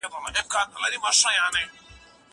زه کولای سم کاغذ ترتيب کړم!؟